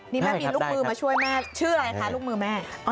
นี่แม่มีลูกมือมาช่วยแม่ชื่ออะไรคะลูกมือแม่